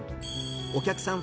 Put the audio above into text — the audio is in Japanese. お客さん